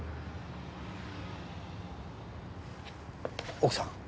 奥さん。